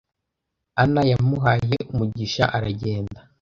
Anna yamuhaye umugisha aragenda